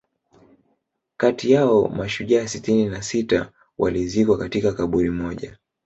kati yao mashujaa sitini na sita walizikwa katika kaburi moja